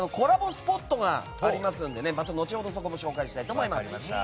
スポットがありますので後ほど紹介したいと思います。